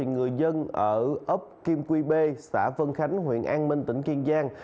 người dân ở ấp kim quy bê xã vân khánh huyện an minh tỉnh kiên giang